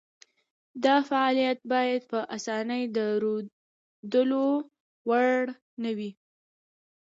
دا فعالیتونه باید په اسانۍ د ردولو وړ نه وي.